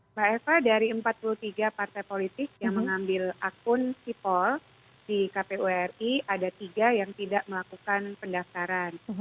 mbak eva dari empat puluh tiga partai politik yang mengambil akun sipol di kpu ri ada tiga yang tidak melakukan pendaftaran